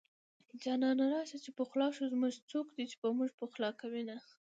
جانانه راشه چې پخلا شو زمونږه څوک دي چې به مونږ پخلا کوينه